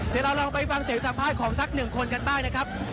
เดี๋ยวเราลองไปฟังเสียงสัมภาษณ์ของสักหนึ่งคนกันบ้างนะครับ